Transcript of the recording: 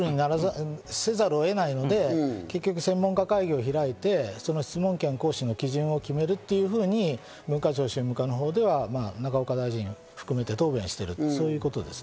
同じルールにせざるを得ないので、結局専門家会議を開いて、質問権の行使の基準を決めるというふうに文化庁宗務課のほうでは永岡大臣を含めて、答弁しているんです。